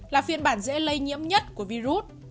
là phiên bản dễ lây nhiễm nhất của virus